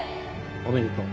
おめでとう。